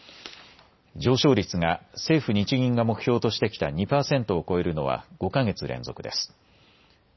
上昇率が政府・日銀が目標としてきた２％を超えるのは５か月連続です。